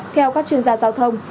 theo các chuyên gia giao thông